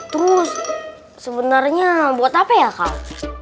terus sebenarnya buat apa ya kang